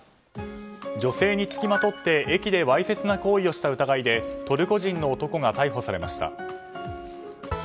女性に付きまとって駅でわいせつな行為をした疑いでトルコ人の男が逮捕されました。